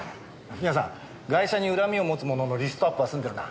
宮さんガイシャに恨みを持つ者のリストアップは済んでるな？